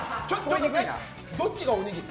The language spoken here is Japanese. どっちがおにぎり？